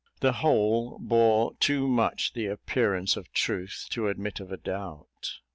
The whole bore too much the appearance of truth to admit of a doubt.